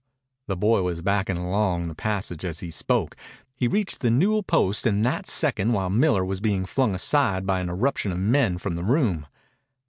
The boy was backing along the passage as he spoke. He reached the newel post in that second while Miller was being flung aside by an eruption of men from the room.